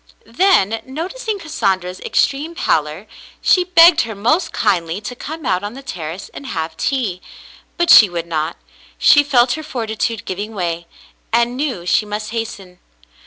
Then, noticing Cassandra's extreme pallor, she begged her most kindly to come out on the terrace and have tea; but she would not. She felt her fortitude giving way, and knew she must hasten.